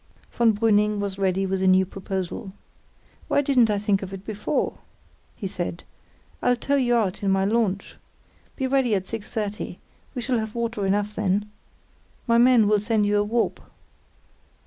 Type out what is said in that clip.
Von Brüning was ready with a new proposal. "Why didn't I think of it before?" he said. "I'll tow you out in my launch. Be ready at 6.30; we shall have water enough then. My men will send you a warp."